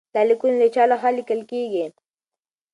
دا لیکونه د چا لخوا لیکل کیږي؟